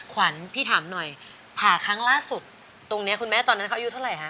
ขวัญพี่ถามหน่อยผ่าครั้งล่าสุดตรงนี้คุณแม่ตอนนั้นเขาอายุเท่าไหร่ฮะ